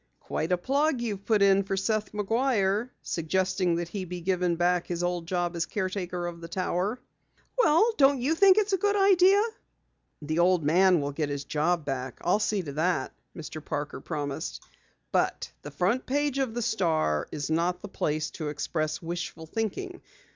"Quite a plug you've put in for Seth McGuire suggesting that he be given back his old job as caretaker of the Tower." "Well, don't you think it's a good idea?" "The old man will get his job back I'll see to that," Mr. Parker promised. "But the front page of the Star is not the place to express wishful thinking.